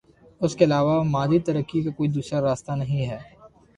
اس کے علاوہ مادی ترقی کا کوئی دوسرا راستہ نہیں ہے۔